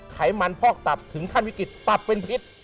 ไขมันพอกตับถึงขั้นวิกฤตตับเป็นพิษ